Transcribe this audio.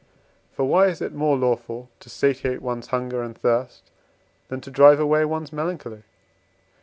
For why is it more lawful to satiate one's hunger and thirst than to drive away one's melancholy?